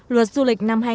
luật du lịch năm hai nghìn